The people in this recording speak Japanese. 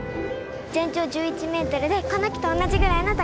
全長１１ｍでこの木と同じぐらいの高さ。